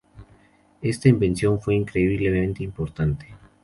Esta invención fue increíblemente importante.